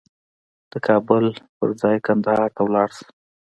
د کابل په ځای کندهار ته لاړ شه